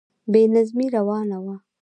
بې نظمی روانه وه.